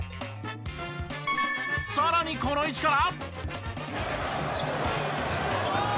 さらにこの位置から。